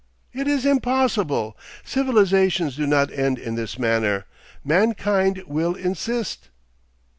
'It is impossible. Civilisations do not end in this manner. Mankind will insist.